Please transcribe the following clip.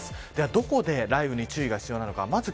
どこで雷雨に注意が必要なのか。